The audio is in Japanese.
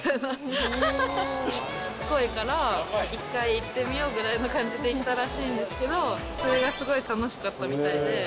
しつこいから、１回行ってみようぐらいの感じで行ったらしいんですけど、それがすごい楽しかったみたいで。